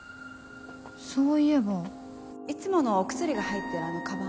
そういえばいつものお薬が入ってるあのカバンは？